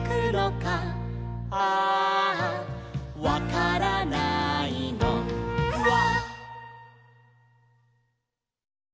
「アアわからないのフワ」